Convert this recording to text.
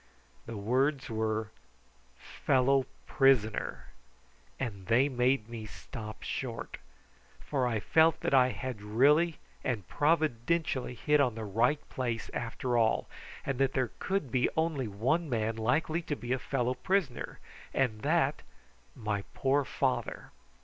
The words were "fellow prisoner;" and they made me stop short, for I felt that I had really and providentially hit upon the right place after all, and that there could be only one man likely to be a fellow prisoner, and that my poor father.